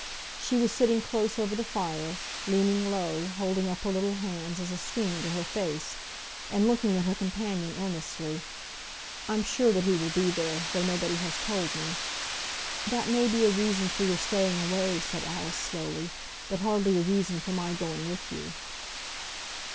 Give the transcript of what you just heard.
She was sitting close over the fire, leaning low, holding up her little hands as a screen to her face, and looking at her companion earnestly. "I'm sure that he will be there, though nobody has told me." "That may be a reason for your staying away," said Alice, slowly, "but hardly a reason for my going with you."